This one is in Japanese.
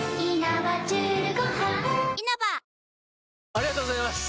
ありがとうございます！